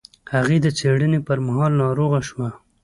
هغې د څېړنې پر مهال ناروغه شوه.